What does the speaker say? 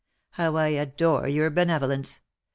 How I adore your benevolence